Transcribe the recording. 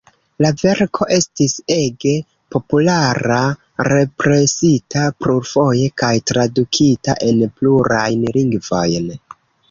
La verko estis ege populara--represita plurfoje kaj tradukita en plurajn lingvojn.